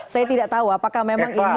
saya tidak tahu apakah memang ini